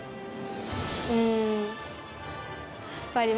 うん。